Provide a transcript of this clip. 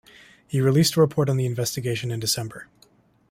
He released a report on the investigation in December.